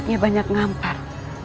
dia banyak ngampar